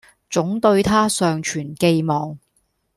總對她尚存寄望